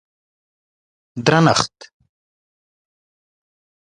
درنښت